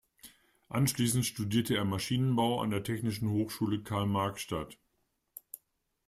Anschließend studierte er Maschinenbau an der Technischen Hochschule Karl-Marx-Stadt.